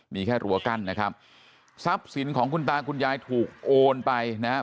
มีแค่รั้วกั้นนะครับทรัพย์สินของคุณตาคุณยายถูกโอนไปนะครับ